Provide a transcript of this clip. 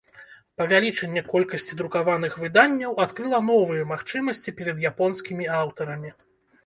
Павялічэнне колькасці друкаваных выданняў адкрыла новыя магчымасці перад японскімі аўтарамі.